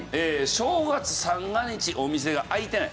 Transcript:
正月三が日お店が開いてない。